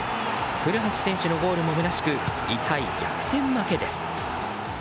古橋選手のゴールもむなしく痛い逆転負けです。